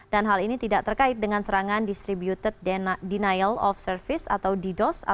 dan hal ini tidak terkait dengan serangan distributed denial of service atau ddos atau penolakan layanan